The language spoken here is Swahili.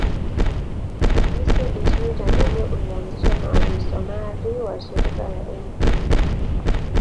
Ukristo nchini Tanzania ulianzishwa na wamisionari wa Shirika la Mt.